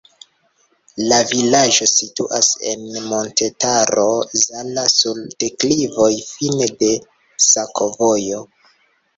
La vilaĝo situas en Montetaro Zala sur deklivoj, fine de sakovojo.